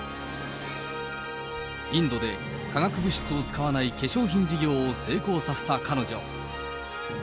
インドで化学物質を使わない化粧品事業を成功させた彼女。